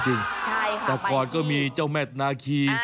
ใช่ค่ะไปที่ต่อก่อนก็มีเจ้าแม่นาคี